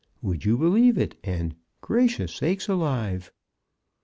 "Would you believe it!" and "Gracious sakes alive!"